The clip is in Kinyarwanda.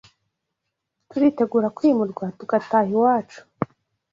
Turitegura Kwimurwa Tugataha Iwacu